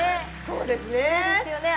そうですね。